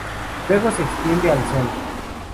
Luego se extiende al sol.